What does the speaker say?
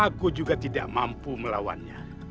aku juga tidak mampu melawannya